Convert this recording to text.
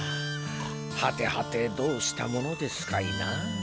はてはてどうしたものですかいな。